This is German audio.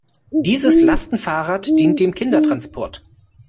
Dieses Lastenfahrrad dient dem Kindertransport.